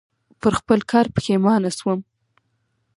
پر خپل کار پښېمانه شوم .